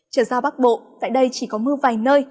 trở ra bắc bộ tại đây chỉ có mưa vài nơi